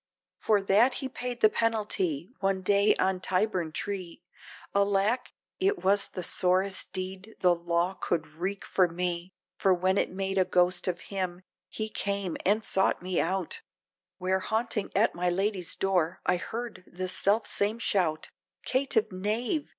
For that he paid the penalty, one day on Tyburn tree, Alack! it was the sorest deed, the Law could wreak for me For when it made a Ghost of him, he came, and sought me out, Where haunting at my Lady's door, I heard the self same shout, Of "Caitiff knave!!"